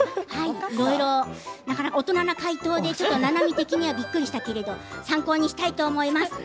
いろいろ大人な回答でななみ的にはびっくりしたけれども参考にしたいと思います。